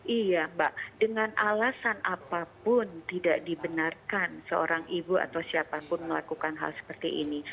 iya mbak dengan alasan apapun tidak dibenarkan seorang ibu atau siapapun melakukan hal seperti ini